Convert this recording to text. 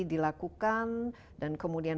dilakukan dan kemudian